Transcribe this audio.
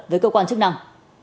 với cơ quan chức năng